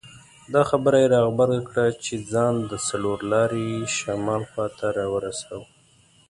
دا خبره یې را غبرګه کړه چې ځان د څلور لارې شمال خواته راورساوه.